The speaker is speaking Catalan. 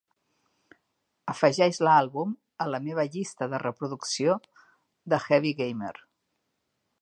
Afegeix l'àlbum a la meva llista de reproducció de Heavy Gamer.